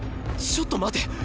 ちょっと待て！